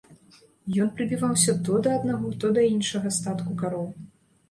Ён прыбіваўся то да аднаго, то да іншага статку кароў.